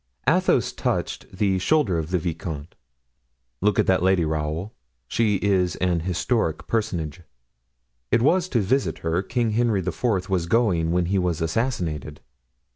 Athos touched the shoulder of the vicomte. "Look at this lady, Raoul, she is an historic personage; it was to visit her King Henry IV. was going when he was assassinated."